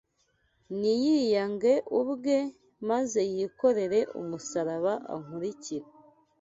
niyiyange ubwe, maze yikorere umusaraba ankurikire